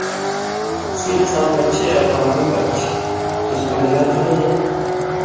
سیں څاں مہ چے اپان٘دُو کر چھی؛ تُس پوژا تھہ نئ یی؟